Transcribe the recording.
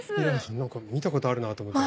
何か見たことあるなと思ったら。